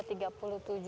satu hari itu ada sepuluh